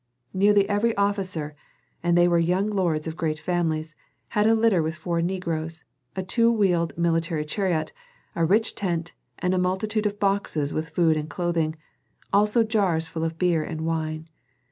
Nearly every officer, and they were young lords of great families, had a litter with four negroes, a two wheeled military chariot, a rich tent, and a multitude of boxes with food and clothing, also jars full of beer and wine.